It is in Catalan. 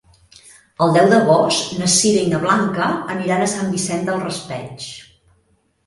El deu d'agost na Sira i na Blanca aniran a Sant Vicent del Raspeig.